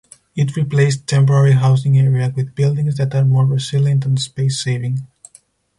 It replaced Temporary Housing Area with buildings that are more resilient and space saving.